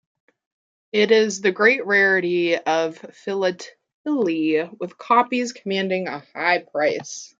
It is the great rarity of philately with copies commanding a high price.